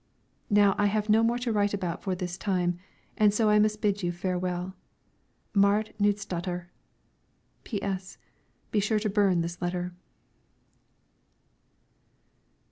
Now I have no more to write about for this time, and so I must bid you farewell. MARIT KNUDSDATTER. P.S. Be sure and burn this letter.